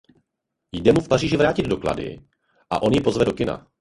Jde mu v Paříži vrátit doklady a on ji pozve do kina.